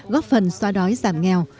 góp phần xoa đói giảm nghèo